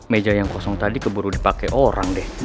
meja yang kosong tadi keburu dipakai orang deh